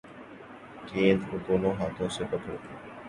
گیند کو دونوں ہاتھوں سے پکڑو